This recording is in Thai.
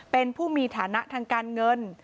เป็นผู้มีฐานะทางการเงิน